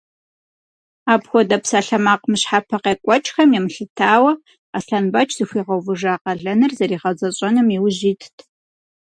Апхуэдэ псалъэмакъ мыщхьэпэ къекӏуэкӏхэм емылъытауэ, Аслъэнбэч зыхуигъэувыжа къалэныр зэригъэзэщӏэным иужь итт.